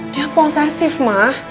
dia posesif ma